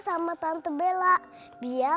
sama tante bella biar